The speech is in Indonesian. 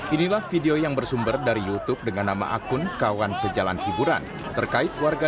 inilah video yang bersumber dari youtube dengan nama akun kawan sejalan hiburan terkait warga